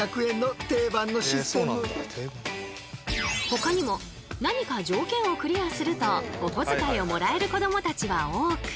ほかにも何か条件をクリアするとおこづかいをもらえる子どもたちは多く。